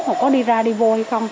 họ có đi ra đi vô hay không